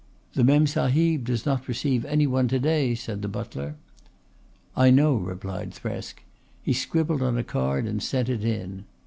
"The Memsahib does not receive any one to day," said the butler. "I know," replied Thresk. He scribbled on a card and sent it in.